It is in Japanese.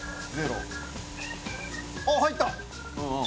あっ入った！